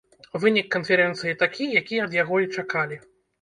Вынік канферэнцыі такі, які ад яго і чакалі.